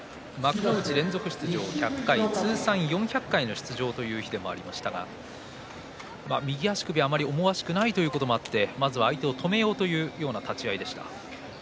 富士は今日、幕内連続出場１００回、通算４００回の出場という日でもありましたが右足首があまり思わしくないということもあって相手を止めようという立ち合いでした。